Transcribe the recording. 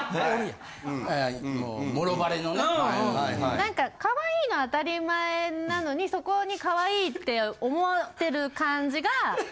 何か可愛いの当たり前なのにそこに可愛いって思ってる感じが。